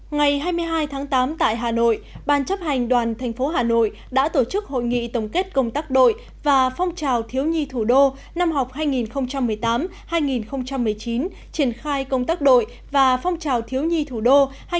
ngày hai mươi hai tháng tám tại hà nội ban chấp hành đoàn thành phố hà nội đã tổ chức hội nghị tổng kết công tác đội và phong trào thiếu nhi thủ đô năm học hai nghìn một mươi tám hai nghìn một mươi chín triển khai công tác đội và phong trào thiếu nhi thủ đô hai nghìn một mươi chín